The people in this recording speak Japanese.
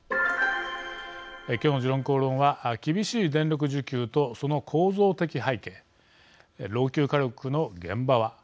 きょうの「時論公論」は厳しい電力需給とその構造的背景老朽火力の現場は。